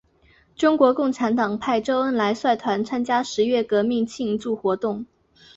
中国共产党派周恩来率团参加十月革命庆祝活动。